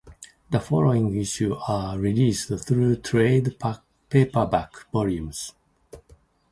The following issues were released through trade paperback volumes.